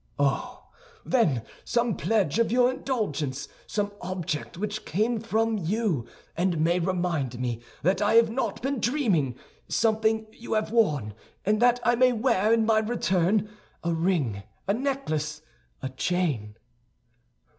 "Oh, then, some pledge of your indulgence, some object which came from you, and may remind me that I have not been dreaming; something you have worn, and that I may wear in my turn—a ring, a necklace, a chain."